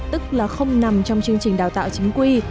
tức là không nằm trong chương trình đào tạo chính quy